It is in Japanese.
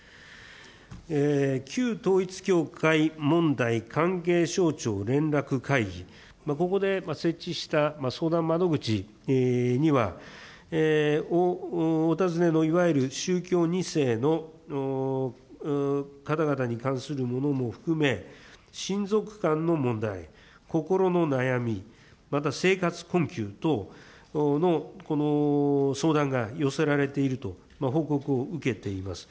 旧統一教会問題関係省庁連絡会議、ここで設置した相談窓口には、お尋ねのいわゆる宗教２世の方々に関するものも含め、親族間の問題、心の悩み、また生活困窮等のこの相談が寄せられていると、報告を受けています。